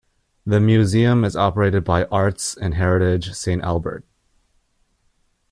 The museum is operated by Arts and Heritage St. Albert.